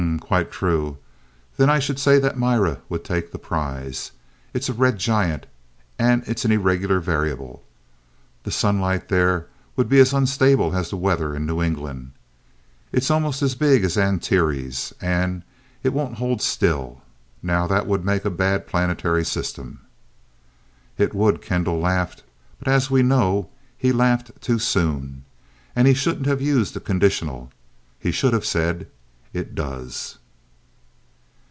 "H m m m quite true. Then I should say that Mira would take the prize. It's a red giant, and it's an irregular variable. The sunlight there would be as unstable as the weather in New England. It's almost as big as Antares, and it won't hold still. Now that would make a bad planetary system." "It would!" Kendall laughed. But as we know he laughed too soon, and he shouldn't have used the conditional. He should have said, "It does!"